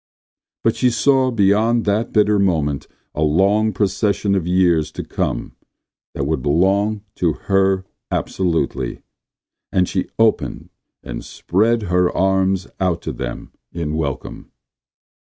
But she saw beyond that bitter moment a long procession of years to come that would belong to her absolutely. And she opened and spread her arms out to them in welcome.